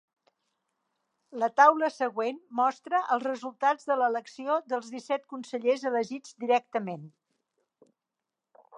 La taula següent mostra els resultats de l'elecció dels disset consellers elegits directament.